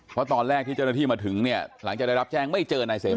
เพราะตอนแรกที่เจ้าหน้าที่มาถึงเนี่ยหลังจากได้รับแจ้งไม่เจอนายเสม